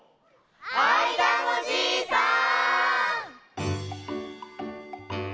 あいだのじいさん！